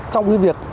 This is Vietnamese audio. trong cái việc